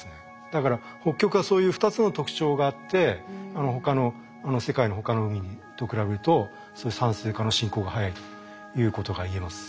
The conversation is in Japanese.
だから北極はそういう２つの特徴があって世界の他の海と比べると酸性化の進行が速いということが言えます。